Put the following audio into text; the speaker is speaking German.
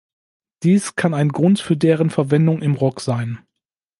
Dies kann ein Grund für deren Verwendung im Rock sein.